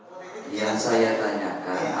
saya tanyakan adakah laporannya